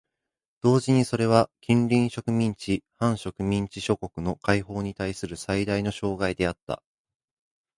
同時にそれは近隣植民地・半植民地諸国の解放にたいする最大の障害であった。